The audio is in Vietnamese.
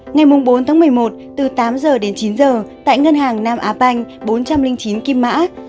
ngày bốn một mươi một từ tám h đến chín h tại ngân hàng nam á banh bốn trăm linh chín kim mã